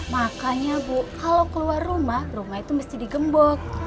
makanya bu kalau keluar rumah rumah itu mesti digembok